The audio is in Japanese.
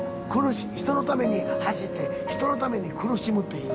人のために走って人のために苦しむっていう。